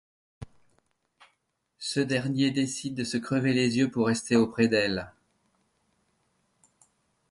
Ce dernier décide de se crever les yeux pour rester auprès d'elle.